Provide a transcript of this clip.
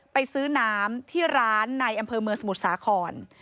ไปซื้อน้ำที่ร้านในอำเภอเมืองสมุทรสาคร